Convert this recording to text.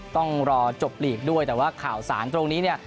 ต้องรอจบหลีกด้วยแต่ว่าข่าวสารตรงนี้เนี่ย